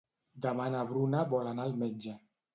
Demà na Bruna vol anar al metge.